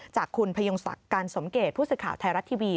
จากคุณพยงศักดิ์การสมเกตผู้สื่อข่าวไทยรัฐทีวี